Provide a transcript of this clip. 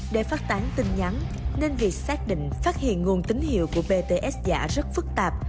để phát tán tin nhắn nên việc xác định phát hiện nguồn tín hiệu của bts giả rất phức tạp